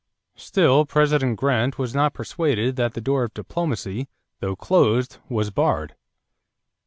Still President Grant was not persuaded that the door of diplomacy, though closed, was barred.